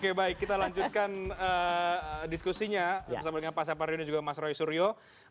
oke baik kita lanjutkan diskusinya bersama dengan pak sapardin dan juga mas roy suryo